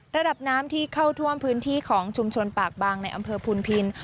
ระดับน้ำที่เข้าท่วมพื้นที่ของชุมชนปากบางในอำเภอพูนพิน